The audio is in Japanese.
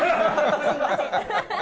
すみません。